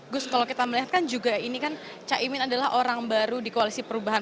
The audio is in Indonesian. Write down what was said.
gus kalau kita melihat kan juga ini kan caimin adalah orang baru di koalisi perubahan